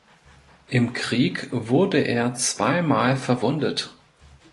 Im Krieg wurde er zweimal verwundet.